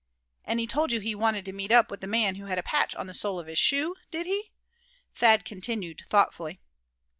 "And he told you he wanted to meet up with the man who had a patch on the sole of his shoe, did he?" Thad continued, thoughtfully.